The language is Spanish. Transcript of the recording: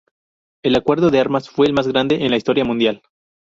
El acuerdo de armas fue el más grande en la historia mundial.